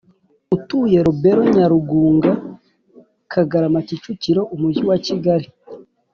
utuye Rebero Nyarugunga Kagarama Kicukiro Umujyi wa Kigali